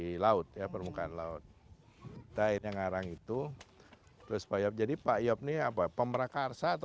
di laut ya permukaan laut daerah yang arang itu terus pak yob jadi pak yob nih apa pemrakarsa atau